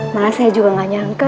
malah saya juga gak nyangka